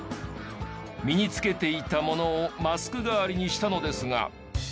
身につけていたものをマスク替わりにしたのですが。